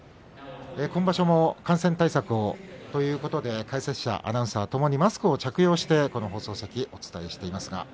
今場所も感染対策ということで解説者、アナウンサーともにマスクを着用して放送席でお伝えしています。